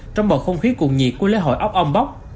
trong bộ không khí cuộn nhiệt của lễ hội ốc âm bốc